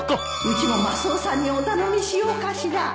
うちもマスオさんにお頼みしようかしら